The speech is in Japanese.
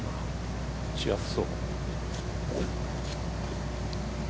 打ちやすそう。